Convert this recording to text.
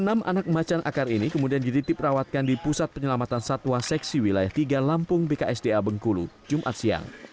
enam anak macan akar ini kemudian dititip rawatkan di pusat penyelamatan satwa seksi wilayah tiga lampung bksda bengkulu jumat siang